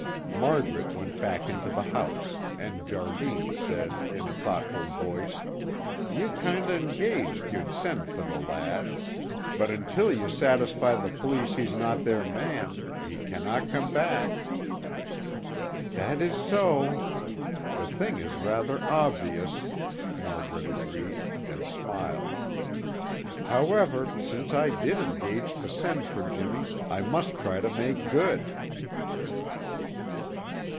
Margaret went back into the house and Jardine said in a thoughtful voice, "Ye kind o' engaged ye'd send for the lad; but until ye satisfy the police he's no' their man, he canna come back." "That is so. The thing is rather obvious," Margaret agreed and smiled. "However, since I did engage to send for Jimmy, I must try to make good."